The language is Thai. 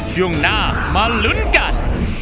ช่วงหน้ามาลุ้นกัน